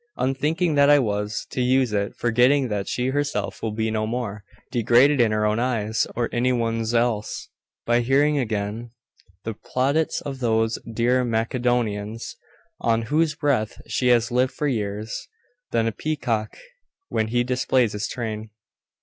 Unthinking that I was, to use it, forgetting that she herself will be no more degraded in her own eyes, or any one's else, by hearing again the plaudits of those "dear Macedonians," on whose breath she has lived for years, than a peacock when he displays his train.